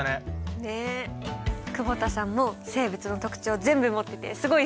久保田さんも生物の特徴全部持っててすごい！